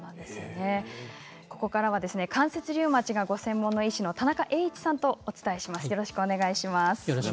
ここからは関節リウマチがご専門の医師の田中栄一さんとお伝えします。